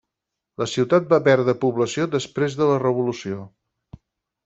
La ciutat va perdre població després de la revolució.